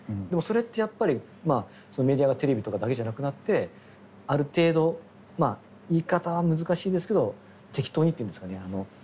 でもそれってやっぱりメディアがテレビとかだけじゃなくなってある程度言い方は難しいですけど適当にっていうんですかね